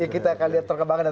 kita akan lihat terkembangannya